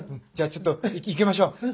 じゃあちょっといきましょう。